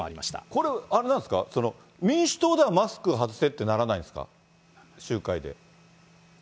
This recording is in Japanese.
これ、あれなんですか、民主党ではマスク外せってならないんですか、集会で。